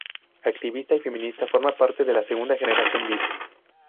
Activista y feminista, forma parte de la segunda Generación beat.